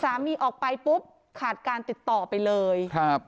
สามีออกไปปุ๊บขาดการติดต่อไปเลยครับ